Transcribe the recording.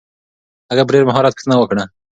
هغې په ډېر مهارت پوښتنه وکړه.